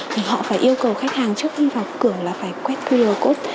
thì họ phải yêu cầu khách hàng trước khi vào cửa là phải quét qr code